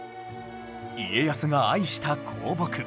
家康が愛した香木